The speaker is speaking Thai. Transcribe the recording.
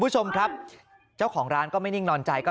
คุณผู้ชมครับเจ้าของร้านก็ไม่นิ่งนอนใจก็